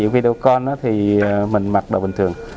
video call thì mình mặc đồ bình thường